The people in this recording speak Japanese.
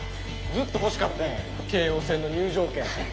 ずっと欲しかってん京王線の入場券。